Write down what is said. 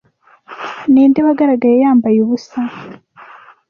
Ninde wagaragaye yambaye ubusa